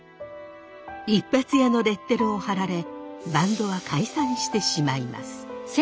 一発屋のレッテルを貼られバンドは解散してしまいます。